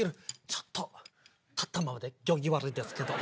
ちょっと立ったままで行儀悪いですけど。